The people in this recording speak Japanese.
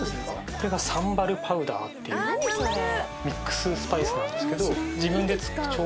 これがサンバルパウダーっていうミックススパイスなんですけど自分で調合してまして。